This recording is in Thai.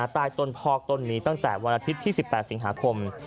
ใต้ต้นพอกต้นนี้ตั้งแต่วันอาทิตย์ที่๑๘สิงหาคม